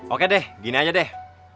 oke deh gini aja deh